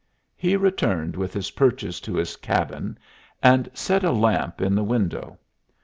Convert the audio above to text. He returned with his purchase to his cabin, and set a lamp in the window.